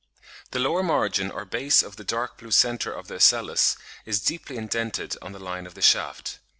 The lower margin or base of the dark blue centre of the ocellus is deeply indented on the line of the shaft.